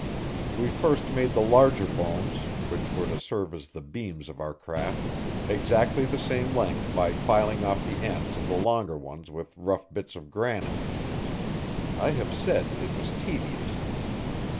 We first made the larger bones, which were to serve as the beams of our raft, exactly the same length by filing off the ends of the longer ones with rough bits of granite. I have said it was tedious.